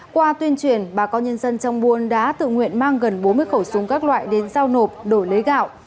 qua tuyên truyền bà con nhân dân trong buôn đã tự nguyện mang gần bốn mươi khẩu súng các loại đến giao nộp đổi lấy gạo